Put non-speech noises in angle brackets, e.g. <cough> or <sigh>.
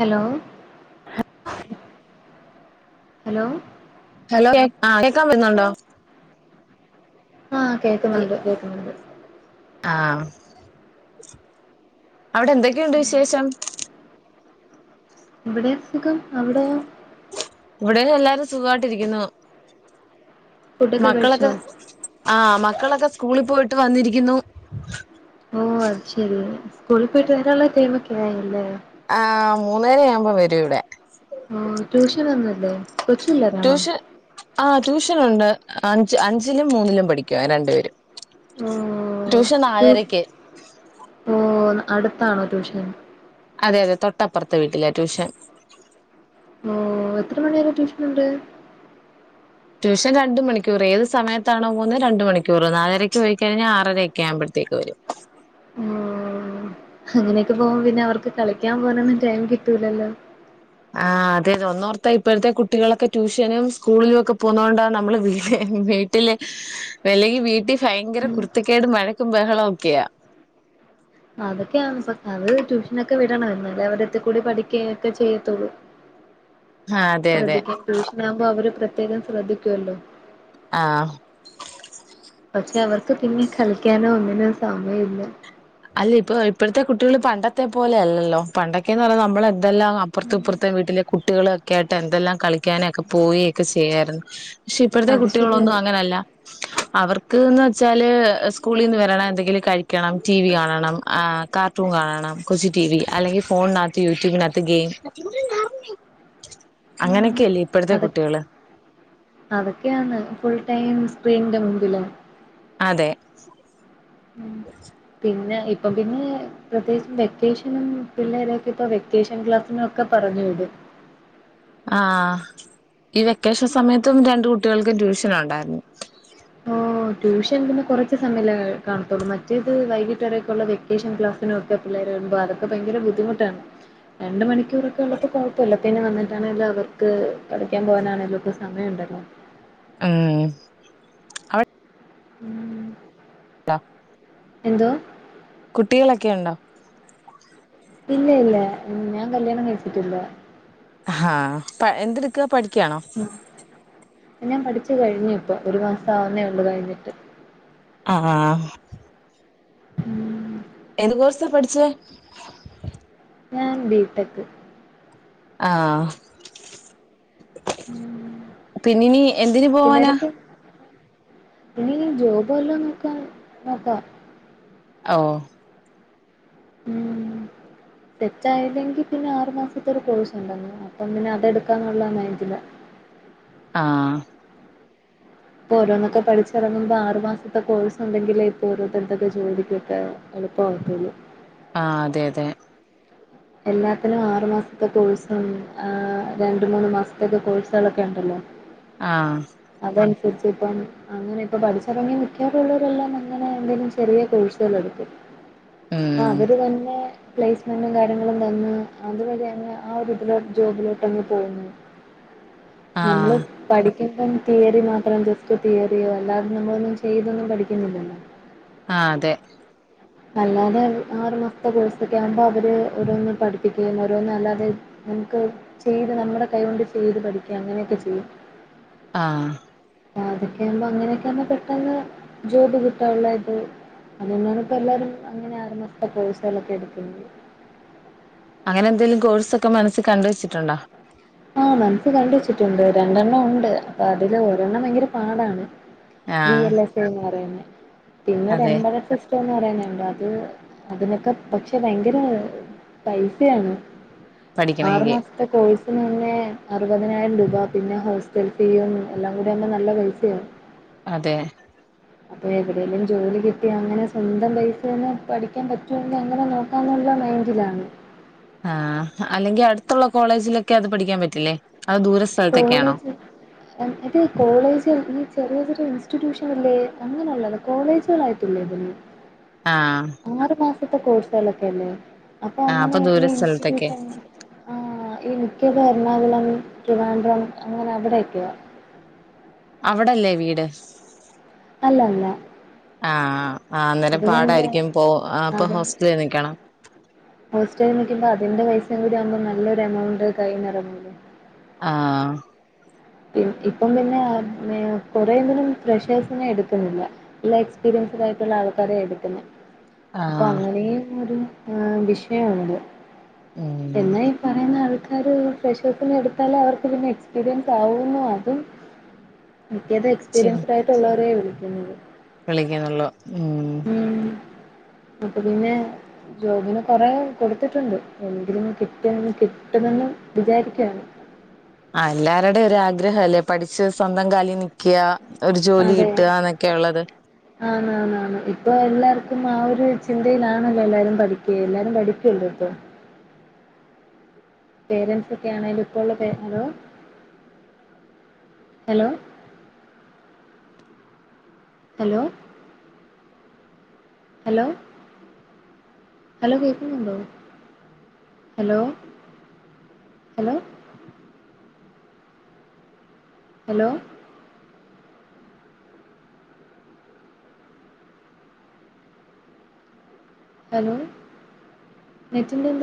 Hello hello hello ആ കേക്കാൻ പറ്റുന്നുണ്ടോ ആ കേക്കുന്നുണ്ട് കേക്കുന്നുണ്ട് ആ <unintelligible> അവിടെ എന്തൊക്കെയുണ്ട് വിശേഷം ഇവിടെ സുഖം അവിടെയോ വ്ടെ എല്ലാരും സുഖമായിട്ടിരിക്കുന്നു ഫുഡൊക്കെ കഴിച്ചോ മക്കളൊക്കെ ആ മക്കള തൊ സ്കൂളി പോയിട്ട് വന്നിരിക്കുന്നു ഓ അയ് ശരി കുളിപ്പയിട്ട് <unintelligible> മ്മ് ഇല്ല ആ മൂന്നര ആവുമ്പോം വരൂ ആ ട്യൂഷൻ അന്നല്ലേ ടൂഷൻ ആ ട്യൂഷ ണ്ട് അഞ്ച് അഞ്ചിലും മൂന്നിലും പഠിക്കുവാ രണ്ടുപേരും ട്യൂഷൻ നാലരക്ക് ഓ അടുത്താണോ ട്യൂഷൻ അതെ അതെ തൊട്ടപ്പുറത്തെ വീട്ടിലേ ട്യൂഷൻ ഓ എത്ര മണി വരെ ട്യൂഷനുണ്ട് ട്യൂഷൻ രണ്ട് മണിക്കൂർ ഏത് സമയത്താണോ പോകുന്നത് രണ്ടു മണിക്കൂറ് നാലരക്ക് പോയിക്കഴിഞ്ഞാൽ ആറരക്കെ ആവുമ്പോഴത്തേക്ക് വരും ഓ അങ്ങനെയൊക്കെ പോകുമ്പം പിന്നെ അവർക്ക് കളിക്കാൻ പോവാനൊന്നും ടൈം കിട്ടൂലല്ലോ ആ അതെ ഒന്നോർത്ത ഇപ്പോഴത്തെ കുട്ടികളൊക്കെ ട്യൂഷനും സ്കൂളിലും ഒക്കെ പോവുന്നതൊണ്ട നമ്മള് വീട് വീട്ടില് അല്ലെങ്കിൽ വീട്ടിൽ ഫയങ്കര കുരുത്തക്കേടും വഴക്കും ബഹളം ഒക്കെയാ അതൊക്കെയാണ് ഇപ്പ അത് ട്യൂഷനൊക്കെ വിടണായിരുന്ന അല്ലേ അവരത്തിക്കൂടി പഠിക്കുക ഒക്കെ ചെയ്യത്തുള്ളൂ ആഹ് അതെ അതെ ശ്രദ്ധിക്കയും ട്യൂഷനാകുമ്പോ അവര് പ്ര പ്രത്യേകം ശ്രദ്ധിക്കുവല്ലോ ആ പക്ഷെ അവർക്ക് പിന്നെ കളിക്കാനോ ഒന്നിനോ സമയില്ല അല്ല ഇപ്പ ഇപ്പോഴത്തെ കുട്ടികള് പണ്ടത്തെ പോലെ അല്ലല്ലോ പണ്ടൊക്കേന്ന് പറഞ്ഞാൽ നമ്മൾ എന്തെല്ലാം അപ്പുറത്തും ഇപ്പുറത്തെ വീട്ടിലെ കുട്ടികളൊക്കെ ആയിട്ട് എന്തെല്ലാം കളിക്കാനൊക്കെ പോവൊക്കെ ചെയ്യായിരുന്നു ക്ഷെ ഇപ്പഴത്തെ അത് ശരിയാ കുട്ടികളൊന്നും അങ്ങനല്ല അവർക്ക്ന്ന് വെച്ചാല് സ്കൂളിന്ന് വരണം എന്തെങ്കിലും കഴിക്കണം ടി വി കാണണം ആ കാർട്ടൂൺ കാണണം കൊച്ചു ടി വി അല്ലെങ്കിൽ ഫോണിനകത്ത് യൂട്യൂബിനകത്ത് ഗെയിം അങ്ങനെ ഉം അത അതൊക്കെയാന്ന് ഫുൾ ടൈം സ്ക്രീന്റെ മുമ്പിലാ അതെ പിന്നെ ഇപ്പൊ പിന്നെ പ്രത്യേകിച്ച് വെക്കേഷനും പിള്ളേരൊക്കെ ഇപ്പൊ വെക്കേഷൻ ക്ലാസ്സിനൊക്കെ പറഞ്ഞു വിടും ആ ഈ വെക്കേഷൻ സമയത്തും രണ്ട് കുട്ടികൾക്കും ട്യൂഷനുണ്ടായിരുന്നു ഓ ട്യൂഷൻ പിന്നെ കുറച്ചു സമയമല്ലെ കാണത്തുള്ളൂ മറ്റേത് വൈകിട്ടെടെക്കുള്ള വെക്കേഷൻ ക്ലാസ്സിനൊക്കെ പിള്ളേരെ വിടുമ്പോ അതൊക്കെ ഭയങ്കര ബുദ്ധിമുട്ടാണ് രണ്ട് മണിക്കൂറൊക്കെ ഉള്ളപ്പോ കുഴപ്പല്ല പിന്നെ വന്നിട്ടാണെങ്കലോ അവർക്ക് പഠിക്കാൻ പോകാനാണേലും ഒക്കെ സമയെണ്ടല്ലോ ഉം അവ ഉം <unintelligible> എന്തോ കുട്ടികളൊക്കെ ഒണ്ടോ ഇല്ല ഇല്ല ഞാൻ കല്യാണം കഴിച്ചിട്ടില്ല ഹാ പ്പ എന്തെടുക്ക ഉം ഞാൻ പഠി ച്ചു കഴിഞ്ഞു ഇപ്പൊ ഒരു മാസം ആവുന്നേ ഉള്ളു കഴിഞ്ഞിട്ട് ആ <inaudible> ഏത് കോഴ്സാ പഠിച്ചേ ഞാൻ ബിടെക്ക് ആ ഉം. പിന്നിനി എന്തിന് പോവാനാ പിള്ളേരൊക്കെ ഇനി ജോബ് വല്ലോം നോക്കാൻ നോക്കാം ഓ ഇം സെറ്റായില്ലെങ്കിൽ പിന്നെ ആറു മാസത്തൊരു കോഴ്സ്‌ ഉണ്ട് അപ്പൊ പിന്നെ അതെടുക്കാന്നുള്ള മൈന്റിലാ ആ ഇപ്പൊ ഓരോന്നൊക്കെ പഠിച്ചിറങ്ങുമ്പോ ആറു മാസത്തെ കോഴ്സ് ഉണ്ടെങ്കിലേ ഇപ്പൊ ഓരോരുത്തരുത്തൊക്കെ ജോലിക്കൊക്കെ എളുപ്പമാവത്തൊള്ളൂ ആ അതെ അതെ എല്ലാത്തിനും ആറു മാസത്തെ കോഴ്സ് ആണ് ആ രണ്ട് മൂന്ന് മാസതെക്കേ കോഴ്സകളൊക്കെ എണ്ടല്ലോ ആ രിച്ചപ്പം അങ്ങനെ ഇപ്പ പഠിച്ചിറങ്ങി മിക്കാറുള്ളവരെല്ലാം അങ്ങനെ എന്തേലും ചെറിയ കോഴ്സുകൾ എടുത്തു. ആ ഉം അവര് തന്നെ പ്ലൈസ്മെന്റും കാര് ര്യങ്ങളും തന്ന് അതുവരെ അങ്ങ് ആ ഒരു ഇതിലോ ജോബിലോട്ട് അങ്ങ് പോകുന്നു. നമ്മള് ആഹ് പഠി ഇപ്പം തിയറി മാത്രം ജസ്റ്റ് തിയറിയോ അല്ലാതെ നമ്മളൊന്നും ചെയ്തൊന്നും പഠിക്കുന്നില്ലല്ലോ. ആ അതെ. അല്ലാതെ ആറു മാസത്തെ കോഴ്സൊക്കെ ആകുമ്പോ അവര് ഓരോന്ന് പഠിപ്പിക്കുകയും ഓരോന്നും അല്ലാതെ നമുക്ക് ചെയ്ത് നമ്മുടെ കൈകൊണ്ട് ചെയ്ത് പഠിക്കയും അങ്ങനെയൊക്കെ ചെയ്യും. ആ അതൊക്കെ ആവുമ്പോ അങ്ങനെയൊക്കെ ആവുമ്പോ പെട്ടെന്ന് ജോബ് കിട്ടാനുള്ള ഇത് അത് കൊണ്ടാണ് ഇപ്പ എല്ലാരും അങ്ങനെ ആറുമാസത്തെ കോഴ്സുകളൊക്കെ എട്ക്കുന്നത്. അങ്ങനെ എന്തേങ്കിലും കോഴ്സ് ഒക്കെ മനസ്സി കണ്ട് വെച്ചിട്ടുണ്ടോ? ആ മനസ് കണ്ട് വെച്ചിട്ടുണ്ട് രണ്ടെണ്ണം ഉണ്ട് അപ്പൊ അതില് ഒരെണ്ണം ഭയങ്കര പാടാണ്. വി ആഹ് എല്ല് യസ്സെന്ന് പറയുന്ന പിന്നെ ഒരു അതെ എംബരസസ് എന്ന് പറയുന്നതുണ്ട്. അത് അതിനൊക്കെ പക്ഷെ ഭയങ്കര പൈസയാണ്. ആറു പഠിക്കണെങ്കി മാസത്തെ കോഴ്സ്‌. തിന് മുന്നേ അറുപതിനായിരം രൂപ പിന്നെ ഹോസ്റ്റൽ ഫീ എല്ലാം കൂടി ആവുമ്പോൾ നല്ല പൈസയാണ്. അതെ. അപ്പൊ എവിടെങ്കിലും ജോലി കിട്ടി അങ്ങനെ സ്വന്തം പൈസ നെ പഠിക്കാൻ പറ്റുങ്കിൽ അങ്ങനെ നോക്കാന്നുള്ള മൈൻഡിലാണ്. ആ അല്ലെങ്കിൽ അടുത്തുള്ള കോളേജിലൊക്കെ അത് പഠിക്കാൻ പറ്റില്ലേ? അത് ദൂര സ്ഥലത്തൊക്കെയാണോ കോളേജ് അത് കോളേജ് ഈ ചെറിയ ചെറി ഇൻസ്റ്റിറ്റ്യൂഷൻ ഇല്ലേ അങ്ങനെയുള്ളത് കോളേജൊന്നായിട്ടല്ല ഇതൊന്നും. ആ നത്തെ കോഴ്സുകളൊക്കെ അല്ലെ? അപ്പൊ അങ്ങനെ ഈ ദൂര സ്ഥലത്തൊക്കെ ഇൻസ്റ്റിറ്റ്യൂഷൻ ആ ഈ മിക്ക ബാ എർണാംകുളം ട്രിവാൻഡ്രം അങ്ങനെ അവിടെയൊക്കെയാ. അവിടല്ലേ വീട്? അല്ലല്ല. ആ അന്നേരം പാടായിരിക്കും പോ അപ്പൊ അത് ഹോസ്റ്റലിൽ നിക്കണം. ഹോസ്റ്റലിൽ നിൽക്കുമ്പോ അതിന്റെ പൈസയും കൂടി ആവുമ്പോ നല്ലൊരു എമൗണ്ട് കയ്ന്ന് ഇറങ്ങൂലെ. ആ പിൻ ഇപ്പം പിന്നെ കൊറെ എങ്കിലും ഫ്രഷേഴ്സിനെ എടുക്കുന്നില്ല. നല്ല എക്സ്പീരിയൻസഡ് ആയിട്ടുള്ള ആൾക്കാരെ എടുക്കുന്നെ. അപ്പൊ ആഹ് അങ്ങനേ ന്നാരും ആ വിഷയാണത്. ഉം എന്നാ ഈ പറയുന്ന അവൾക് ആ ഒരു ഫ്രഷഴ്സിനെ എടുത്താൽ അവർക്ക് പിന്നെ എക്സ്പീരിയൻ താവുമോ അതും മിക്കത് എക്സ്പീരിൻസ്ഡ് ആയിട്ടുള്ളവരേ <unintelligible> <inaudible> വിളിക്കന്നൊള്ളു ഊം അപ്പൊ പിന്നെ ജോബിനു കൊറേ കൊടുത്തിട്ടൊണ്ട് എങ്കിലും കിട്ടിയന്ന് കിട്ടുമെന്ന് വിചാരിക്കുവാണ് ആ എല്ലാരടെ ഒരു ആഗ്രഹം അല്ലേ പഠിച്ച് സ്വന്തം കാലി നിക്ക്യ ഒരു ജോലി അതെ കിട്ടുകന്നൊക്കെ ഒള്ളത് ആന്ന് ആന്ന് ആന്ന്. ഇപ്പൊ എല്ലാർക്കും ആ ഒരു ചിന്തയിലാണല്ലോ എല്ലാരും പഠിക്കെ എല്ലാരും പഠിക്കല്ലോ ഇപ്പൊ പേരൻസ് ഒക്കെ ആണേലും ഇപ്പോള്ള പെ hello hello hello hello hello കേക്കുന്നുണ്ടോ? ഹലോ ഹലോ ഹലോ ഹലോ നെറ്റിന്റെ എന്തേ